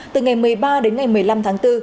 từ ngày một mươi ba đến ngày một mươi năm tháng bốn